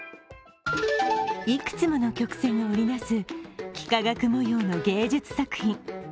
いくつもの曲線が織りなす幾何学模様の芸術作品。